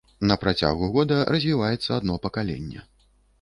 На працягу года развіваецца адно пакаленне.